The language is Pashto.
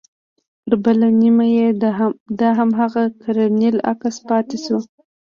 پر بله نيمه يې د هماغه کرنيل عکس پاته سو.